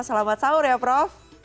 selamat sahur ya prof